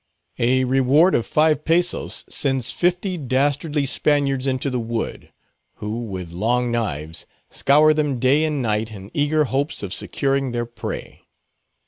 A reward of five pesos sends fifty dastardly Spaniards into the wood, who, with long knives, scour them day and night in eager hopes of securing their prey.